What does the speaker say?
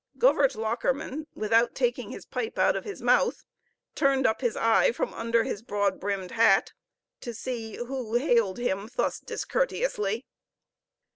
Govert Lockerman, without taking his pipe out of his mouth, turned up his eye from under his broad brimmed hat to see who hailed him thus discourteously.